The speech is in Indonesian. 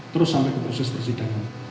terus sampai ke proses persidangan